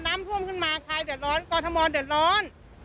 น้ำท่วมขึ้นมาใครเดี๋ยวร้อนกอร์ธมอธ์เดี๋ยวร้อน